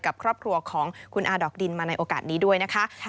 ของคุณอาดอกดินมาในโอกาสนี้ด้วยนะคะ